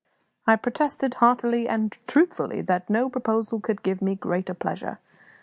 I protested, heartily and truthfully, that no proposal could give me greater pleasure.